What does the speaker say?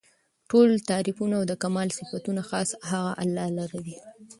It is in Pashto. ټول تعريفونه او د کمال صفتونه خاص هغه الله لره دي